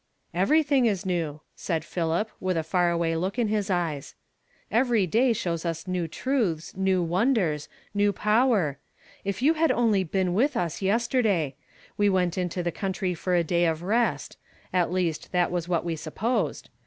" "Everything is new," said Philip, with a far av/ay look in his eyes. " Every day sliows us new truths, m /onders, new power. If you had only been .. .u us yesterday ! We went into the country for a :ay of rest. At least t.jat was what we supposed.